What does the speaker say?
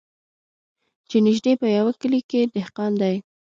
چي نیژدې په یوه کلي کي دهقان دی